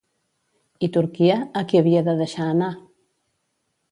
I Turquia, a qui havia de deixar anar?